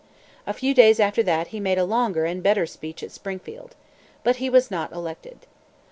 A few days after that, he made a longer and better speech at Springfield. But he was not elected.